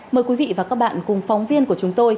mời quý vị và các bạn cùng phóng viên của chúng tôi